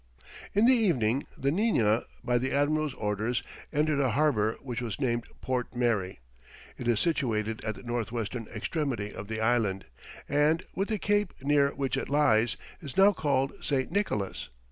In the evening, the Nina by the admiral's orders, entered a harbour which was named Port Mary; it is situated at the north western extremity of the island, and, with the cape near which it lies, is now called St. Nicholas.